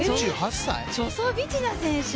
チュソビチナ選手